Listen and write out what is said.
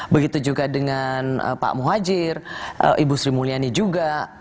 begitu juga dengan pak muhajir ibu sri mulyani juga